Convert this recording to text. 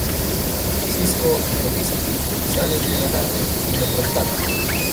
Cisco y Felicity salen de la nave y los rescatan.